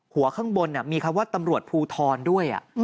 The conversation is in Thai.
ข้างบนมีคำว่าตำรวจภูทรด้วย